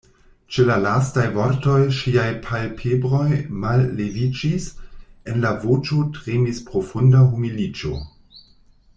Ĉe la lastaj vortoj ŝiaj palpebroj malleviĝis; en la voĉo tremis profunda humiliĝo.